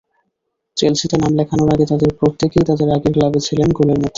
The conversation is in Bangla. চেলসিতে নাম লেখানোর আগে তাদের প্রত্যেকেই তাদের আগের ক্লাবে ছিলেন গোলের মধ্যে।